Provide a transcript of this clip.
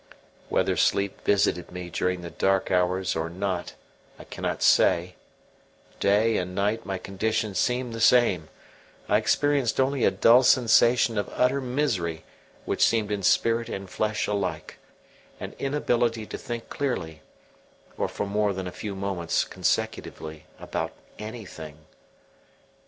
Whether sleep visited me during the dark hours or not I cannot say: day and night my condition seemed the same; I experienced only a dull sensation of utter misery which seemed in spirit and flesh alike, an inability to think clearly, or for more than a few moments consecutively, about anything.